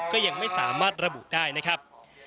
ก็ยังไม่สามารถระบุได้นะครับ